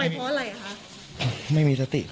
คือตอนนั้นที่ไม่มีสติจริงหรอ